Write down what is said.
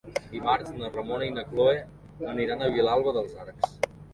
Dimarts na Ramona i na Cloè aniran a Vilalba dels Arcs.